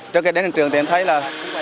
trước khi đến hiện trường thì em thấy là